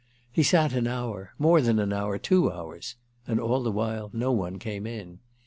He sat an hour—more than an hour, two hours—and all the while no one came in.